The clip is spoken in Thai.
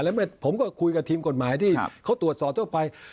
แล้วผมก็คุยกับทีมกฎหมายที่เขาตรวจสอบทั่วไป